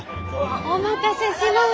お待たせしました。